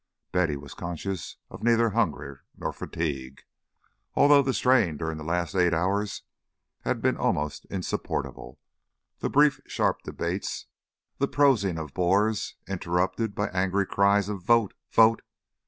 But Betty was conscious of neither hunger nor fatigue, although the strain during the last eight hours had been almost insupportable: the brief sharp debates, the prosing of bores, interrupted by angry cries of "Vote! Vote!"